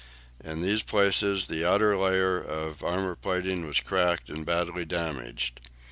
In these places the outer layer of armour plating was cracked and badly damaged.